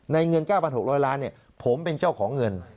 ในเงินเก้าพันหกร้อยล้านเนี่ยผมเป็นเจ้าของเงิน